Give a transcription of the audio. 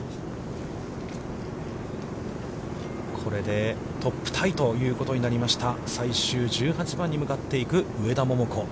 これでトップタイということになりました、最終１８番に向かっていく、上田桃子。